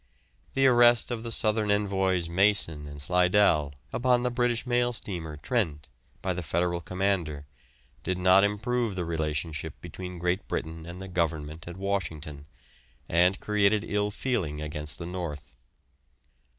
The arrest of the southern envoys Mason and Slidell upon the British mail steamer "Trent," by the federal commander, did not improve the relationship between Great Britain and the Government at Washington, and created ill feeling against the north.